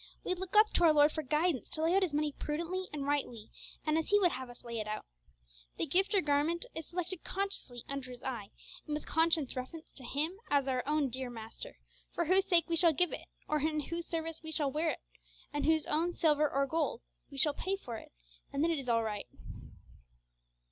We look up to our Lord for guidance to lay out His money prudently and rightly, and as He would have us lay it out. The gift or garment is selected consciously under His eye, and with conscious reference to Him as our own dear Master, for whose sake we shall give it, or in whose service we shall wear it, and whose own silver or gold we shall pay for it, and then it is all right.